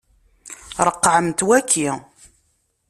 Ṛeqqɛemt waki.